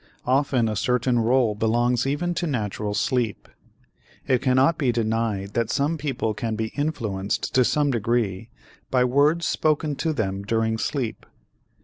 Often a certain rôle belongs even to natural sleep. It cannot be denied that some people can be influenced to some degree by words spoken to them during sleep.